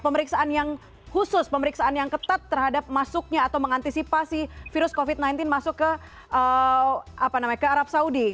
pemeriksaan yang khusus pemeriksaan yang ketat terhadap masuknya atau mengantisipasi virus covid sembilan belas masuk ke arab saudi